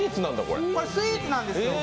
スイーツなんですよ